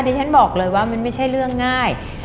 ดิฉันบอกเลยว่ามันไม่ใช่เรื่องง่าย